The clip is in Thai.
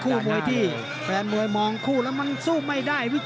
แต่เป็นคู่มวยที่แฟนมวยมองคู่แล้วมันสู้ไม่ได้